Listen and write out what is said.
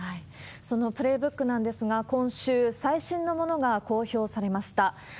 そのプレーブックなんですが、今週、最新のものが公表されました。